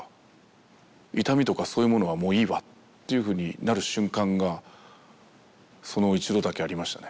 痛みとかそういうものはもういいわっていうふうになる瞬間がその一度だけありましたね。